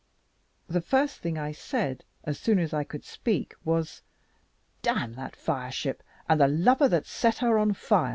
The first thing I said, as soon as I could speak, was "D that fire ship, and the lubber that set her on fire."